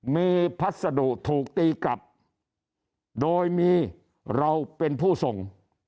มีพัสดุถูกตีกลับโดยมีเราเป็นผู้ส่ง